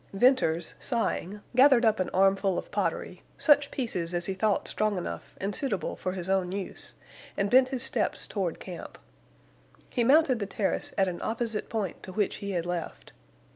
Venters, sighing, gathered up an armful of pottery, such pieces as he thought strong enough and suitable for his own use, and bent his steps toward camp. He mounted the terrace at an opposite point to which he had left.